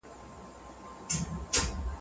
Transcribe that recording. د ستونزو سره سازش کول اړین دي.